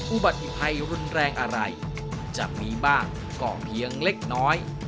อุบัติภัยรุนแรงอะไรจะมีบ้างก็เพียงเล็กน้อย